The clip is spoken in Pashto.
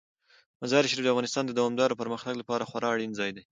مزارشریف د افغانستان د دوامداره پرمختګ لپاره خورا اړین ځای دی.